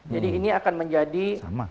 jadi ini akan menjadi produk legislasi ini